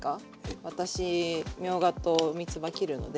私みょうがとみつば切るので。